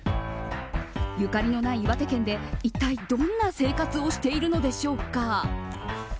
ゆかりのない岩手県で一体どんな生活をしているのでしょうか。